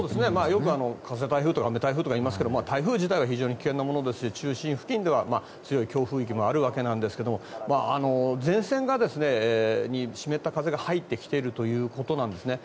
よく風台風とか雨台風とか言いますが台風自体が非常に危険なものですし中心付近では強い強風域もあるわけなんですが前線に湿った風が入ってきているということなんですね。